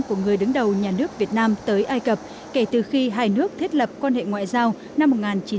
của người đứng đầu nhà nước việt nam tới ai cập kể từ khi hai nước thiết lập quan hệ ngoại giao năm một nghìn chín trăm bảy mươi